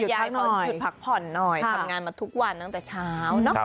ยายเขาหยุดพักผ่อนหน่อยทำงานมาทุกวันตั้งแต่เช้าเนอะ